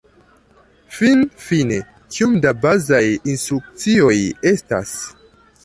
Finfine, kiom da bazaj instrukcioj estas?